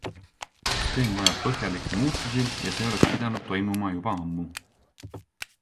Süsteem vajab põhjalike muutusi ja see oleks pidanud toimuma juba ammu.